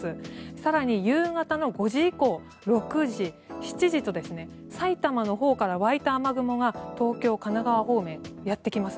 更に夕方の５時以降６時、７時と埼玉のほうから湧いた雨雲が東京、神奈川方面やってきます。